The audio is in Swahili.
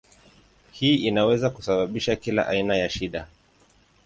Hii inaweza kusababisha kila aina ya shida.